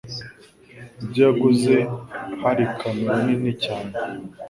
Ibyo yaguze hari kamera nini cyane.